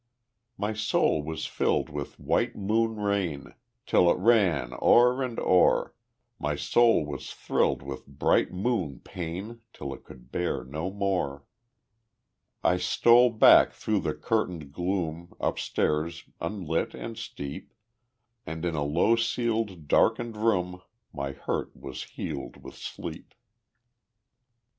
My soul was filled with white moon rain Till it ran o'er and o'er, My soul was thrilled with bright moon pain Till it could bear no more; I stole back through the curtained gloom Up stairs unlit and steep, And in a low ceiled darkened room My hurt was healed with sleep.